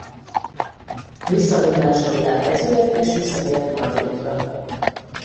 Visszavonulása után edző lett és visszatért Martiniquera.